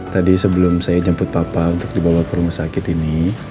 tadi sebelum saya jemput papa untuk dibawa ke rumah sakit ini